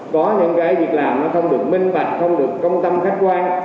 có những cái việc làm nó không được minh bạch không được công tâm khách quan